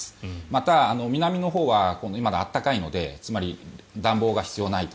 また、南のほうは暖かいのでつまり、暖房が必要ない。